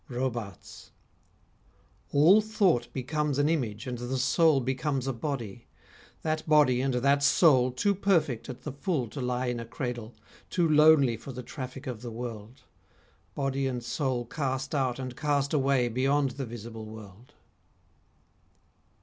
ROBARTES All thought becomes an image and the soul Becomes a body: that body and that soul Too perfect at the full to lie in a cradle, Too lonely for the traffic of the world: Body and soul cast out and cast away Beyond the visible world.